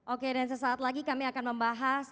oke dan sesaat lagi kami akan membahas